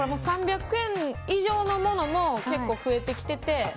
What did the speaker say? ３００円以上のものも結構、増えてきてて。